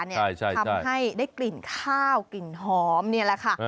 ทำให้ได้กลิ่นข้าวกลิ่นหอมนี่แหละค่ะ